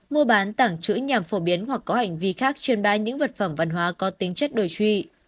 mua bán tảng trữ nhằm phổ biến hoặc có hành vi khác chuyên bá những vật phẩm văn hóa có tính chất đối trị